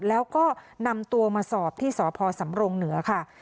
แล้วก็นำตัวมาสอบที่สพสำรงเหนือค่ะ